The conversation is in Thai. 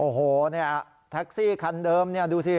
โอ้โหแท็กซี่คันเดิมดูสิ